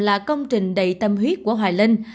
là công trình đầy tâm huyết của hoài linh